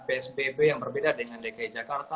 psbb yang berbeda dengan dki jakarta